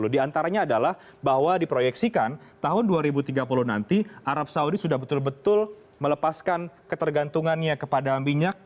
di antaranya adalah bahwa diproyeksikan tahun dua ribu tiga puluh nanti arab saudi sudah betul betul melepaskan ketergantungannya kepada minyak